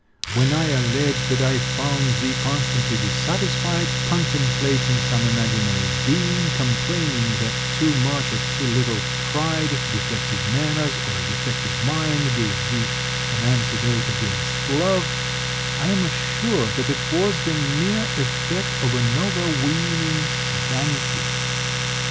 When I alledge that I found thee constantly dissatisfied, contemplating some imaginary being, complaining that too much or too little pride, defective manners, or a defective mind, gave thee an antidote against love, I am assured that it was the mere effect of an overweening vanity.